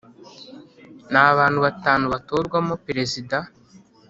ni abantu batanu batorwamo Perezida